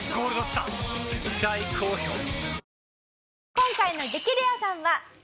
今回の激レアさんは。